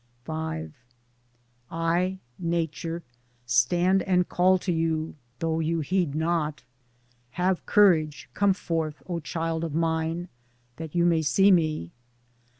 V I, Nature, stand, and call to you fhough you heed not : Have courage, come forth, O child of mine, that you may see me.